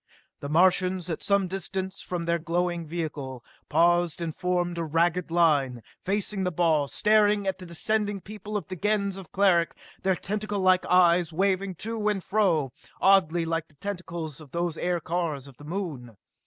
The Martians, at some distance from their glowing vehicle, paused and formed a ragged line, facing the ball, staring at the descending people of the Gens of Cleric, their tentaclelike eyes waving to and fro, oddly like the tentacles of those aircars of the Moon.